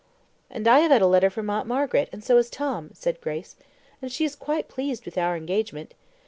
"And I have had a letter from Aunt Margaret, and so has Tom," said Grace, "and she is quite pleased with our engagement.